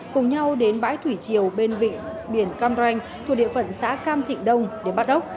cùng nhau đến bãi thủy triều ven vịnh biển cam ranh thuộc địa phận xã cam thịnh đông để bắt đốc